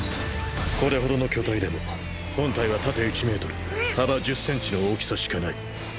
これほどの巨体でも本体は縦１ｍ幅１０ｃｍの大きさしかない。